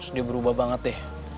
dia berubah banget deh